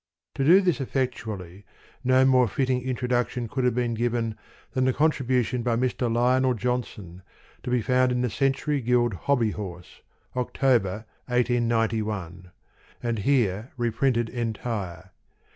To do this effectually, no more fitting intro duction could have been given than the contribution by Mr. Lionel Johnson, to be found in the Century Guild Hobby Horse (October, 1891), and here reprinted entire.